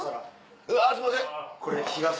うわすいません。